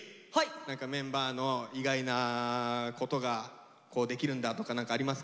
何かメンバーの意外なことができるんだとか何かありますか？